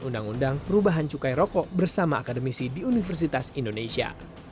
undang undang perubahan cukai rokok bersama akademisi di universitas indonesia